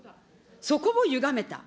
そこをゆがめた。